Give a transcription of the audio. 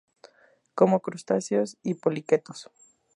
Come crustáceos y poliquetos.